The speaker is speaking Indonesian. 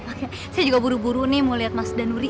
oke saya juga buru buru nih mau lihat mas danuri